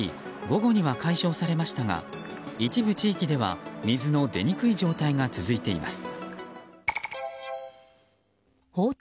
午後には解消されましたが一部地域では水の出にくい状態が続いています。